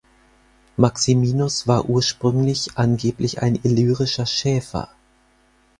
Maximinus war ursprünglich angeblich ein illyrischer Schäfer.